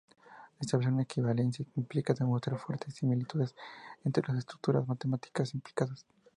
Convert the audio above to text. Establecer una equivalencia implica demostrar fuertes similitudes entre las estructuras matemáticas implicadas.